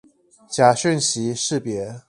假訊息識別